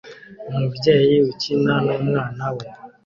Umubyeyi ukina n'umwana we